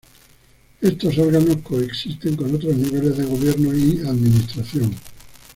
Estos órganos coexisten con otros niveles de gobierno y administración.